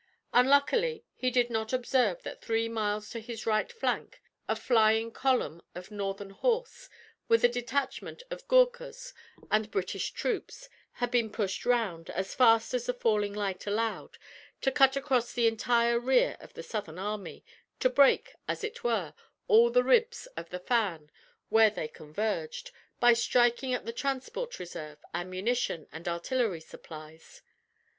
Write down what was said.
Unluckily he did not observe that three miles to his right flank a flying column of Northern horse, with a detachment of Goorkhas and British troops, had been pushed round, as fast as the falling light allowed, to cut across the entire rear of the Southern Army, to break, as it were, all the ribs of the fan where they converged, by striking at the transport reserve, ammunition, and artillery supplies.